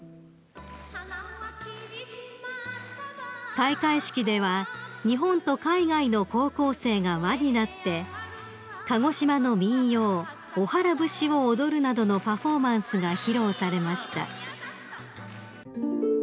［開会式では日本と海外の高校生が輪になって鹿児島の民謡『おはら節』を踊るなどのパフォーマンスが披露されました］